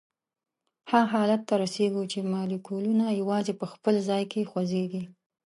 هغه حالت ته رسیږو چې مالیکولونه یوازي په خپل ځای کې خوځیږي.